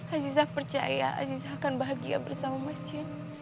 aziza percaya aziza akan bahagia bersama mazen